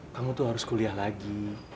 kamu tuh harus kuliah lagi